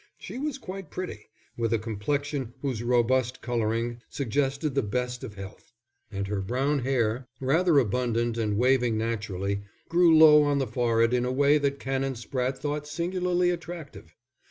She was quite pretty, with a complexion whose robust colouring suggested the best of health; and her brown hair, rather abundant and waving naturally, grew low on the forehead in a way that Canon Spratte thought singularly attractive.